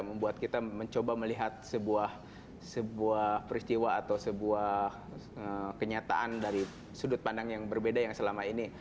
membuat kita mencoba melihat sebuah peristiwa atau sebuah kenyataan dari sudut pandang yang berbeda yang selama ini